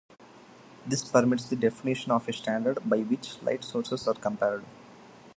This permits the definition of a standard by which light sources are compared.